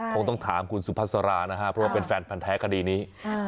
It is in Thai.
คงต้องถามคุณสุภาษารานะฮะเพราะว่าเป็นแฟนพันธ์แท้คดีนี้